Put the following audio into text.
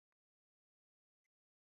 于兹为下邳相笮融部下。